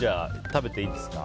食べていいですか。